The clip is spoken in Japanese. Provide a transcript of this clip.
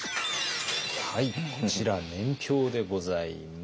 はいこちら年表でございます。